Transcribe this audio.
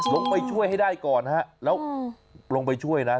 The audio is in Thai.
ลงไปช่วยให้ได้ก่อนฮะแล้วลงไปช่วยนะ